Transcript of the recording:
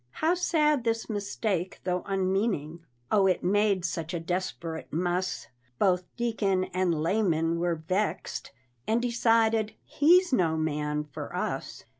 How sad this mistake, tho' unmeaning, Oh, it made such a desperate muss! Both deacon and laymen were vexed, And decided, "He's no man for us."